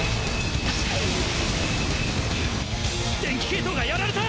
電気系統がやられた！